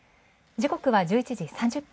時刻は午前１１時３０分。